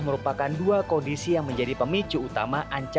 merupakan dua kondisi yang menjadi pemicu utama ancaman